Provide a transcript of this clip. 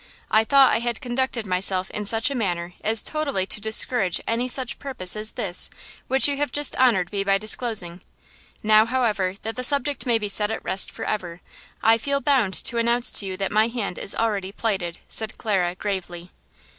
I thought I had conducted myself in such a manner as totally to discourage any such purpose as this which you have just honored me by disclosing. Now, however, that the subject may be set at rest forever, I feel bound to announce to you that my hand is already plighted," said Clara, gravely.